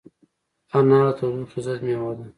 انار د تودوخې ضد مېوه ده.